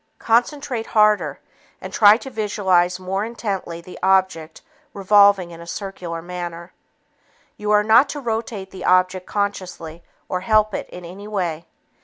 Concentrate harder and try to visualize more intently the object revolving in a circular manner. You are not to rotate the object consciously or help it in any way.